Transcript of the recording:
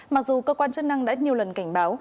mặc dù cơ quan chức năng đã nhiều lần cảnh báo